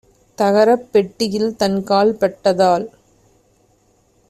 தகரப் பெட்டியில் தன்கால் பட்டதால்